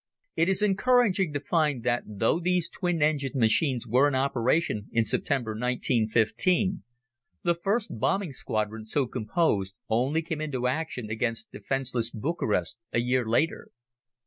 It is encouraging to find that though these twin engined machines were in operation in September, 1915, the first bombing squadron so composed only came into action against defenceless Bucharest a year later.